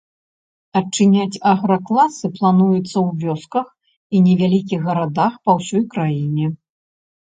Адчыняць агракласы плануецца ў вёсках і невялікіх гарадах па ўсёй краіне.